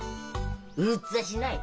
うっつぁしない！